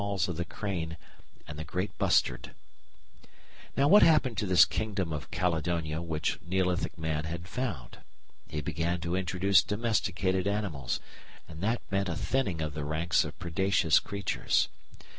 ] Now what happened in this kingdom of Caledonia which Neolithic Man had found? He began to introduce domesticated animals, and that meant a thinning of the ranks of predacious creatures.